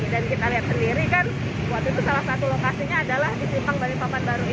dan kita lihat sendiri kan waktu itu salah satu lokasinya adalah di simpang balikpapan baru ini